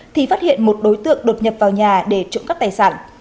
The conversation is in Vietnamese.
thì phát hiện một đối tượng đột nhập vào nhà để trộm cắp tài sản